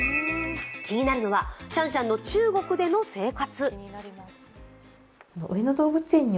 気になるのはシャンシャンの中国での生活。